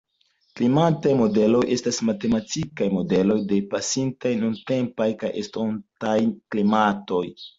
Klimataj modeloj estas matematikaj modeloj de pasintaj, nuntempaj kaj estontaj klimatoj.